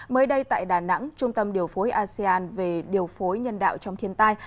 mới đây tại đà nẵng trung tâm điều phối asean về điều phối nhân đạo trong thiên tai